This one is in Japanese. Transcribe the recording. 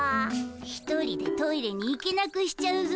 一人でトイレに行けなくしちゃうぞ。